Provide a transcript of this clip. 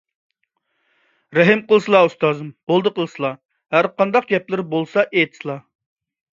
رەھىم قىلسىلا، ئۇستازىم، بولدى قىلسىلا! ھەرقانداق گەپلىرى بولسا ئېيتسىلا!